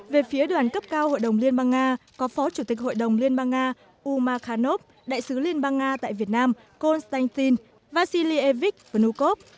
về phía đoàn cấp cao hội đồng liên bang nga có phó chủ tịch hội đồng liên bang nga uma khanov đại sứ liên bang nga tại việt nam konstantin vasiliek vukov